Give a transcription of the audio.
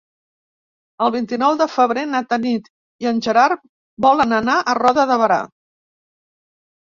El vint-i-nou de febrer na Tanit i en Gerard volen anar a Roda de Berà.